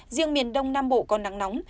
riêng miền đông nam bộ có nắng nóng